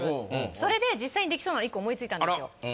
それで実際にできそうなのを１個思いついたんですよ